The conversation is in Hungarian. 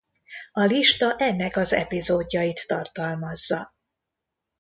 A lista ennek az epizódjait tartalmazza.